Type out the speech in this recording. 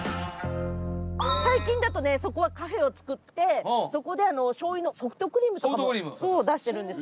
最近だとねそこはカフェを作ってそこでしょうゆのソフトクリームとかも出してるんですよ。